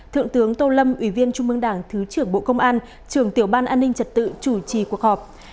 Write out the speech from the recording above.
thượng tướng tô lâm ủy viên trung mương đảng thứ trưởng bộ công an trưởng tiểu ban an ninh trật tự chủ trì cuộc họp